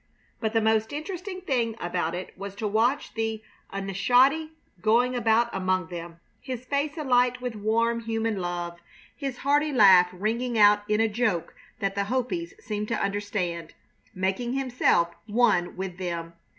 But the most interesting thing about it was to watch the "Aneshodi" going about among them, his face alight with warm, human love; his hearty laugh ringing out in a joke that the Hopis seemed to understand, making himself one with them.